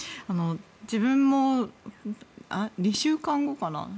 自分も２週間後かな